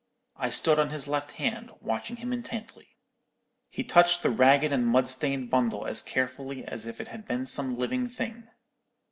I stood on his left hand, watching him intently. "He touched the ragged and mud stained bundle as carefully as if it had been some living thing.